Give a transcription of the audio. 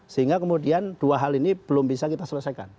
sehingga kemudian dua hal ini belum bisa kita selesaikan